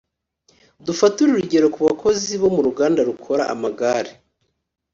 dufatire urugero ku bakozi bo mu ruganda rukora amagare.